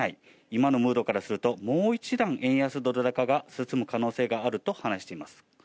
今のムードからすると、もう一段円安ドル高が進む可能性があると話しています。